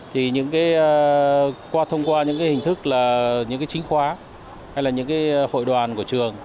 thì những cái qua thông qua những cái hình thức là những cái chính khóa hay là những cái hội đoàn của trường